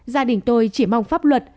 gia đình tôi chỉ mong pháp luật